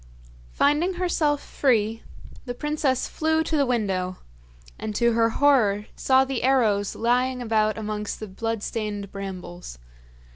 Finding herself free, the princess flew to the window, and to her horror saw the arrows lying about amongst the bloodstained brambles.